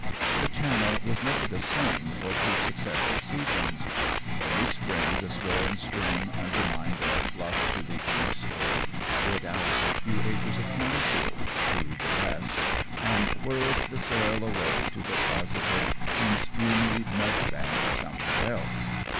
The channel was never the same for two successive seasons. Every spring the swollen stream undermined a bluff to the east, or bit out a few acres of corn field to the west and whirled the soil away to deposit it in spumy mud banks somewhere else.